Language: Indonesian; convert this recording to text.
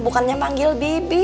bukannya memanggil bibi